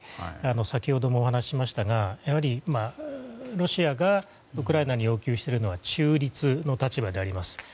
先ほどもお話ししましたがやはりロシアがウクライナに要求しているのは中立の立場であります。